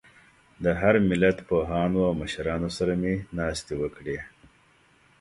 د هر ملت پوهانو او مشرانو سره مې ناستې وکړې.